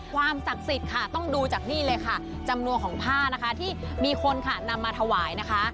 ความศักดิ์สิทธิ์ค่ะต้องดูจากนี่เลยค่ะจำนวนของผ้านะคะที่มีคนค่ะนำมาถวายนะคะ